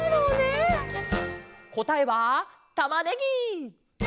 こたえはたまねぎ！